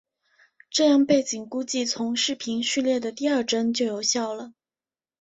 这样背景估计从视频序列的第二帧就有效了。